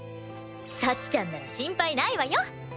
幸ちゃんなら心配ないわよ！